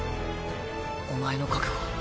お前の覚悟